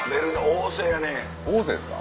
旺盛ですか？